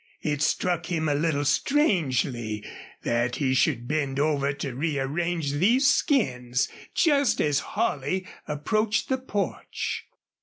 It struck him a little strangely that he should bend over to rearrange these skins just as Holley approached the porch.